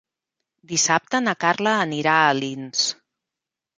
Dissabte na Carla anirà a Alins.